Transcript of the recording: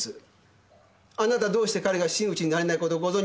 あなたどうして彼が真打ちになれない事をご存じだったんでしょうか。